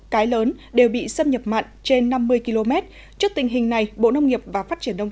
cái lớn đều bị xâm nhập mặn trên năm mươi km trước tình hình này bộ nông nghiệp và phát triển đông